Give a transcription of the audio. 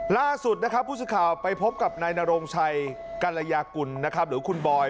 ล่าสุดผู้สึกข่าวไปพบกับนายนโรงชัยกัลยากุลหรือคุณบอย